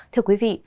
thưa quý vị